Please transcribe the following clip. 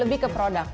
lebih ke produk